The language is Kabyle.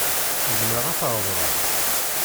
Zemreɣ ad t-reḍleɣ?